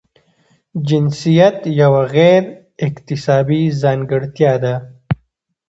جنسیت یوه غیر اکتسابي ځانګړتیا ده.